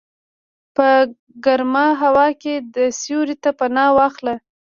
په ګرمه هوا کې سیوري ته پناه واخله.